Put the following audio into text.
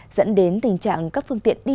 dẫn đến tình trạng các phương tiện điện thoại